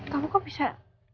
kamu kok bisa